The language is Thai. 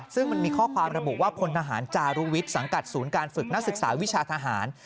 ซึ่งมันมีข้อความระบุว่าพลทหารจารุวิทย์สังกัดศูนย์การฝึกนักศึกษาวิชาทหาร